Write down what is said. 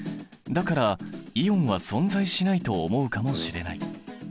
だからイオンは存在しないと思うかもしれない。